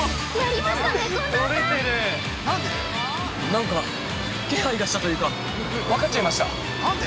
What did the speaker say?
◆なんか、気配がしたというか分かっちゃいました。